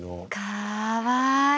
かわいい。